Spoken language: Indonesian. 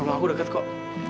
rumah aku dekat kok